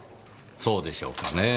そうでしょうかねぇ。